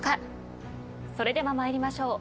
それでは参りましょう。